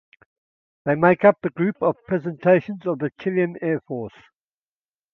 They make up the Group of Presentations of the Chilean Air Force.